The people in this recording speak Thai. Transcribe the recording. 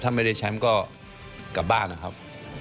ถ้าไม่ได้แชมป์ก็กลับบ้านนะครับ